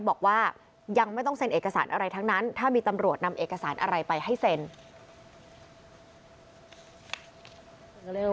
บอกว่ายังไม่ต้องเซ็นเอกสารอะไรทั้งนั้นถ้ามีตำรวจนำเอกสารอะไรไปให้เซ็น